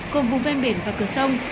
cùng vùng ven biển và cửa sông